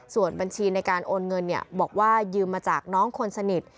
ส่วนบัญชีในการโอนเงินบอกว่ายืมมาจากน้องคนสนิท